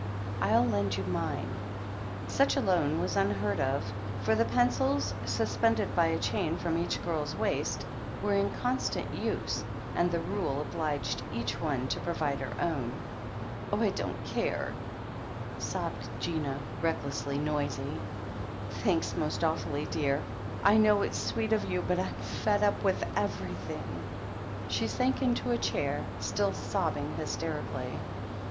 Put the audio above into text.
"I'll lend you mine." Such a loan was unheard of, for the pencils, sus pended by a chain from each girl's waist, were in con stant use, and the rule obliged each one to provide her own. Oh, I don't care," sobbed Gina, recklessly noisy. Thank's most awfully, dear. I know it's sweet of you — but I'm fed up with everything." She sank into a chair, still sobbing hysterically.